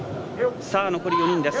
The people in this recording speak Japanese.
残り４人です。